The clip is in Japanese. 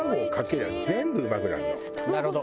なるほど。